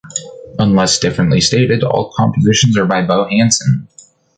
Unless differently stated, all compositions are by Bo Hansson.